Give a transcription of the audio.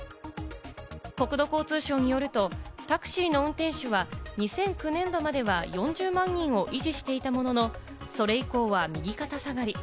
国土交通省によると、タクシーの運転手は２００９年度までは４０万人を維持していたものの、それ以降は右肩下がり。